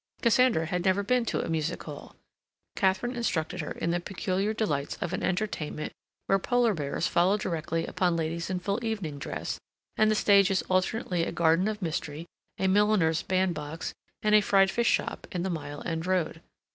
Cassandra had never been to a music hall. Katharine instructed her in the peculiar delights of an entertainment where Polar bears follow directly upon ladies in full evening dress, and the stage is alternately a garden of mystery, a milliner's band box, and a fried fish shop in the Mile End Road.